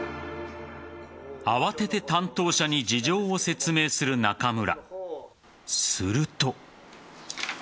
慌てて担当者に事情を説明する中村。